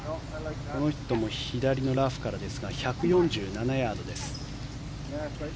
この人も左のラフからですが１４７ヤードです。